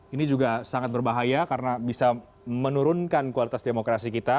ini juga sangat berbahaya karena bisa menurunkan kualitas demokrasi kita